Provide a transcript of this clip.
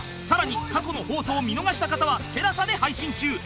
更に過去の放送を見逃した方はテラサで配信中